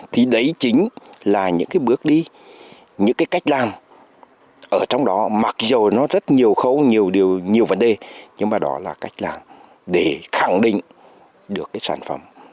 thì đấy chính là những cái bước đi những cái cách làm ở trong đó mặc dù nó rất nhiều khâu nhiều điều nhiều vấn đề nhưng mà đó là cách làm để khẳng định được cái sản phẩm